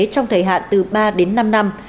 trong thời hạn từ ba đến năm năm